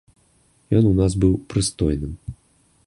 Ён у нас быў прыстойным.